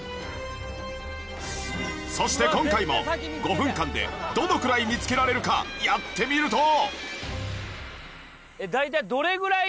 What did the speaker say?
そして今回も５分間でどのくらい見つけられるかやってみると